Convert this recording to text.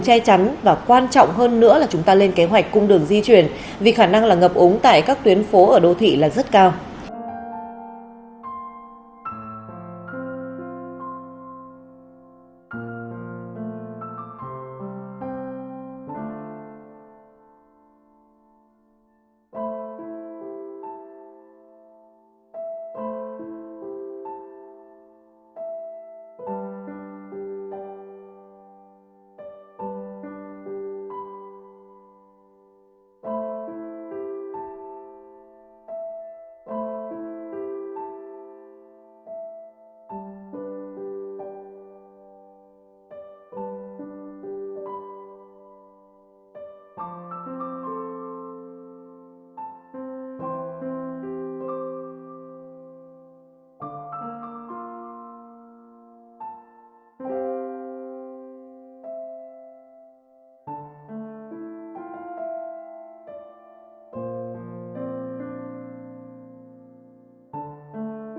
hãy đăng kí cho kênh lalaschool để không bỏ lỡ những video hấp dẫn